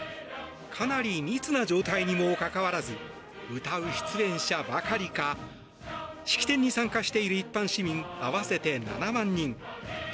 かなり密な状態にもかかわらず歌う出演者ばかりか式典に参加している一般市民合わせて７万人誰